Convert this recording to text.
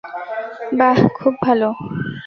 বাহ, খুব ভালো।